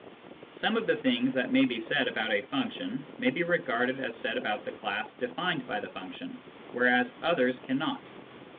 Some of the things that may be said about a function may be regarded as said about the class defined of the function, whereas others cannot.